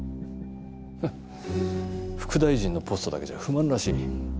ははっ副大臣のポストだけじゃ不満らしい。